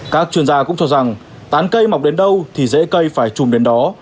các chuyên gia cũng cho rằng tán cây mọc đến đâu thì dễ cây phải chùm đến đó